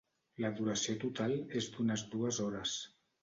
La duració total és d'unes dues hores.